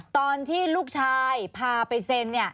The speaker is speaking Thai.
ตอนที่ลูกชายพาไปเซ็น